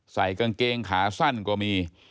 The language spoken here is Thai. ใส่กางเกงขาสั้นก็มี